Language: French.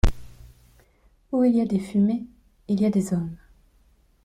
Où il y a des fumées, il y a des hommes.